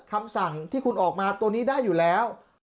คำสั่งที่คุณออกมาตัวนี้ได้อยู่แล้ว